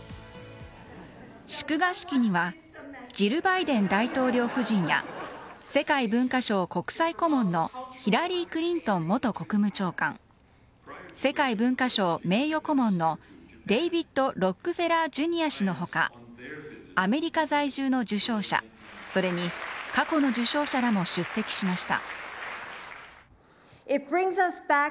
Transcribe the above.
祝賀式にはジル・バイデン大統領夫人や世界文化賞国際顧問のヒラリー・クリントン元国務長官世界文化賞名誉顧問のデイヴィッド・ロックフェラージュニア氏の他アメリカ在住の受賞者それに過去の受賞者らも出席しました。